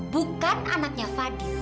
bukan anaknya fadil